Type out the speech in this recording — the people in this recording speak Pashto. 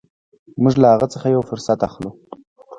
موږ له هغه څخه یو فرصت اخلو.